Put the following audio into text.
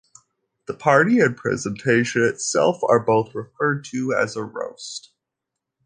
The party and presentation itself are both referred to as a "roast".